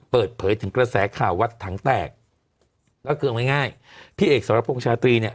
เปิดเผยถึงกระแสข่าววัดถังแตกแล้วก็ง่ายพี่เอกสารพวงชาตรีเนี่ย